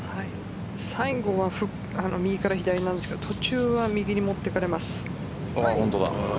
最後は右から左なんですが途中は右に持っていかれます。